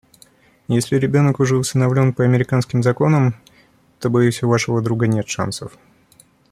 Если ребенок уже усыновлен по американским законам, то, боюсь, у вашего друга нет шансов.